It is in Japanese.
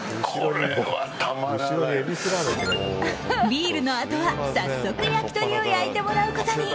ビールのあとは早速焼き鳥を焼いてもらうことに。